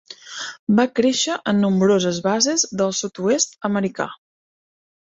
Va créixer en nombroses bases del sud-oest americà.